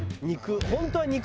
肉。